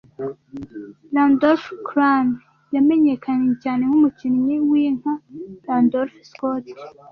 Randolph Crane yamenyekanye cyane nk'umukinnyi w'inka Randolph Scott